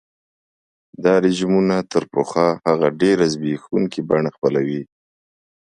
دا رژیمونه تر پخوا هغه ډېره زبېښونکي بڼه خپلوي.